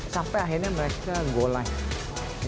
sampai akhirnya mereka go live